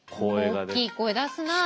大きい声出すなあすぐ。